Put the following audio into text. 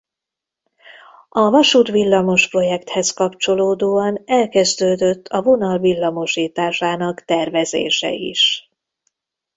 A vasút-villamos projekthez kapcsolódóan elkezdődött a vonal villamosításának tervezése is.